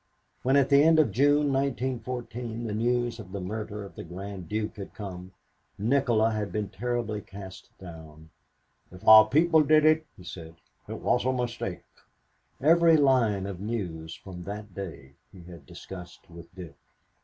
When at the end of June, 1914, the news of the murder of the Grand Duke had come, Nikola had been terribly cast down. "If our people did it," he said, "it was a mistake." Every line of news from that day he had discussed with Dick.